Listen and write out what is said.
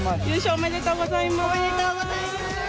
おめでとうございます。